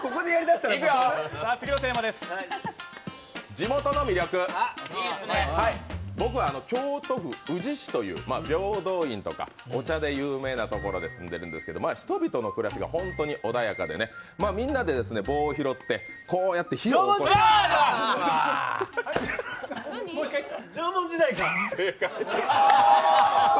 地元の魅力、僕は京都府宇治市という平等院とかお茶で有名なところですけど人々の暮らしがホントに穏やかで、みんなで棒を拾って、こうやって火をおこして縄文時代か？